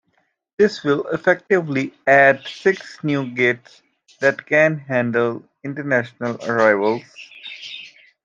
This will effectively add six new gates that can handle international arrivals.